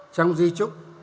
trong di trúc